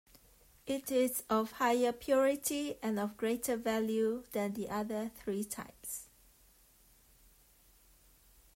It is of higher purity and of greater value than the other three types.